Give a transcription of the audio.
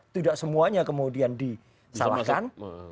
tidak semuanya kemudian disalahkan